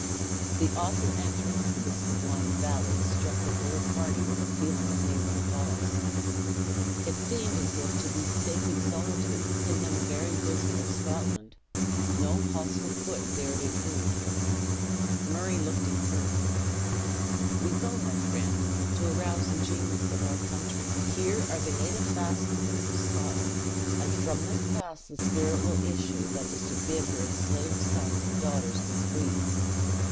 The awful entrance to this sublime valley struck the whole party with a feeling that made them pause. It seemed as it to these sacred solitudes, hidden in the very bosom of Scotland, no hostile foot dared intrude. Murray looked at Ker. "We go, my friend, to arouse the genius of our country! Here are the native fastnesses of Scotland; and from this pass the spirit will issue that is to bid her enslaved sons and daughters be free."